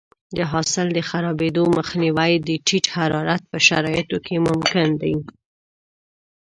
د حاصل د خرابېدو مخنیوی د ټیټ حرارت په شرایطو کې ممکن دی.